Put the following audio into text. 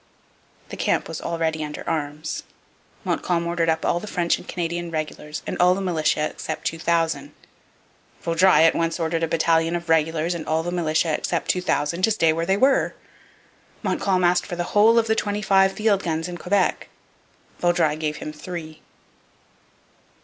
The camp was already under arms. Montcalm ordered up all the French and Canadian regulars and all the militia, except 2,000. Vaudreuil at once ordered a battalion of regulars and all the militia, except 2,000, to stay where they were. Montcalm asked for the whole of the twenty five field guns in Quebec. Vaudreuil gave him three.